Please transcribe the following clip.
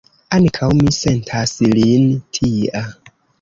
Ankaŭ mi sentas lin tia.